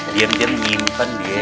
dia nyimpen dia